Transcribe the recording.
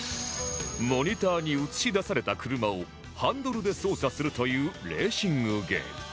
モニターに映し出された車をハンドルで操作するというレーシングゲーム